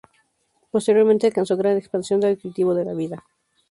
Posteriormente alcanzó gran expansión el cultivo de la vid.